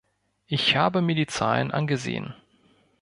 Ich habe mir die Zahlen angesehen.